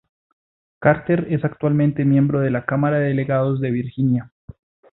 Carter es actualmente miembro de la Cámara de Delegados de Virginia.